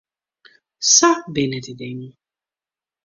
Sa binne dy dingen.